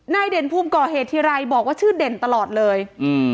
เด่นภูมิก่อเหตุทีไรบอกว่าชื่อเด่นตลอดเลยอืม